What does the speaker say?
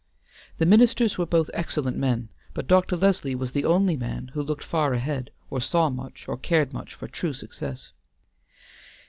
The ministers were both excellent men; but Dr. Leslie was the only man who looked far ahead or saw much or cared much for true success.